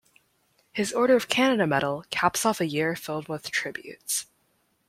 His Order of Canada medal caps off a year filled with tributes.